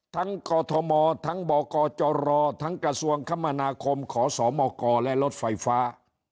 กอทมทั้งบกจรทั้งกระทรวงคมนาคมขอสมกและรถไฟฟ้า